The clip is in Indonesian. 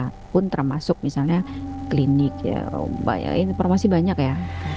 walaupun termasuk misalnya klinik ya informasi banyak ya